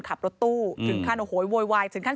คุยก่อนคุยก่อนคุยก่อน